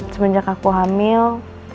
semenjak aku hamil